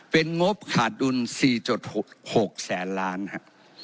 เป็นงบขาดดุล๔๖แสนล้านฮะ